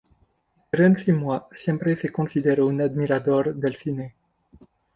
Terenci Moix siempre se consideró un admirador del cine.